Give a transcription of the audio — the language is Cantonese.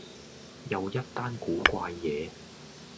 又一單古怪野